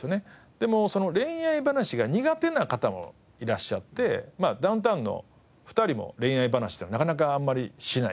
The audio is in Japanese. でも恋愛話が苦手な方もいらっしゃってダウンタウンの２人も恋愛話っていうのはなかなかあんまりしない。